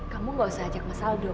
kamu bener juga